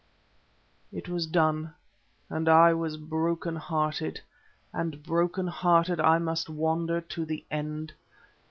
_" It was done, and I was broken hearted, and broken hearted I must wander to the end.